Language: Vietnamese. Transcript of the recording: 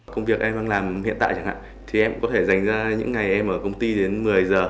công việc em đang làm hiện tại chẳng hạn thì em có thể dành ra những ngày em ở công ty đến một mươi giờ